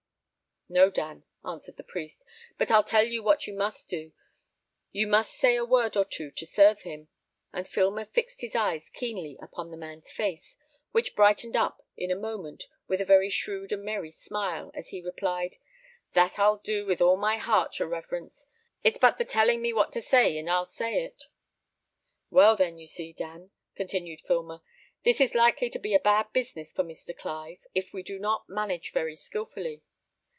"No, Dan," answered the priest; "but I'll tell you what you must do, you must say a word or two to serve him." And Filmer fixed his eyes keenly upon the man's face, which brightened up in a moment with a very shrewd and merry smile, as he replied, "That I'll do with all my heart, your reverence. It's but the telling me what to say and I'll say it." "Well then, you see, Dan," continued Filmer, "this is likely to be a bad business for Mr. Clive, if we do not manage very skilfully.